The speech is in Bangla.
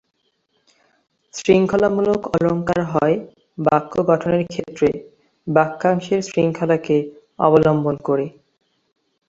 শৃঙ্খলামূলক অলঙ্কার হয় বাক্যগঠনের ক্ষেত্রে বাক্যাংশের শৃঙ্খলাকে অবলম্বন করে।